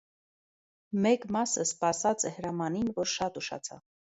Մէկ մասը սպասած է հրամանին, որ շատ ուշացաւ։